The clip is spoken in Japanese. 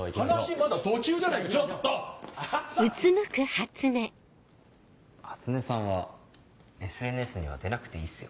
初音さんはＳＮＳには出なくていいっすよ。